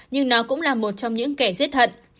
nhưng nó cũng là một trong những kẻ giết thận